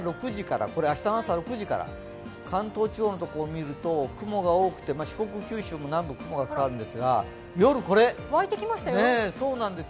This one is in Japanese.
明日朝６時から、関東地方のところを見ると雲が多くて四国・九州も南部もは雲がかかるんですが、夜、湧いてきました。